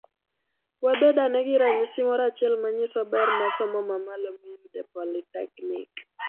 Wabed ane gi ranyisi moro achiel manyiso ber mar somo mamalo miyudo e politeknik.